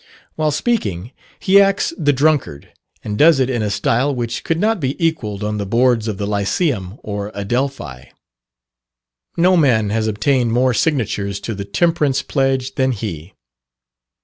While speaking, he acts the drunkard, and does it in a style which could not be equalled on the boards of the Lyceum or Adelphi. No man has obtained more signatures to the temperance pledge than he.